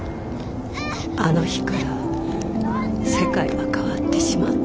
あの日から世界は変わってしまった。